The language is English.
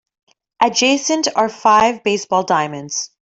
Adjacent are five baseball diamonds.